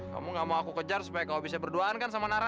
kamu gak mau aku kejar supaya gak bisa berduaan kan sama nara